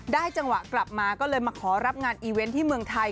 จังหวะกลับมาก็เลยมาขอรับงานอีเวนต์ที่เมืองไทย